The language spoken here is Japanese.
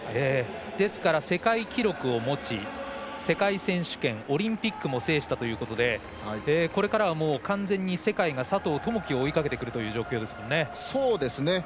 ですから、世界記録を持ち世界選手権、パラリンピックを制したということでこれからは、完全に世界が佐藤友祈を追いかけてくるという状況ですもんね。